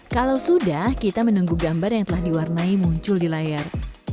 kalau sudah kita menunggu gambar yang telah diwarnai muncul di layar